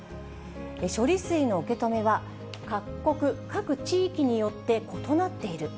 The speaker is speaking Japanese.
処理水の受け止めは各国、各地域によって異なっている。